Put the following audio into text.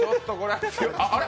あれ？